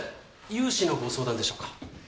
融資のご相談でしょうか？